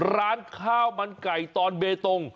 ร้านข้าวมันไก่ถ้าน้องใบตอง